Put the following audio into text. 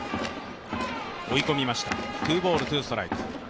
追い込みました、ツーボール、ツーストライク。